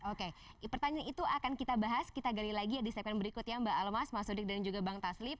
oke pertanyaan itu akan kita bahas kita gali lagi ya di segmen berikut ya mbak almas mas udik dan juga bang taslim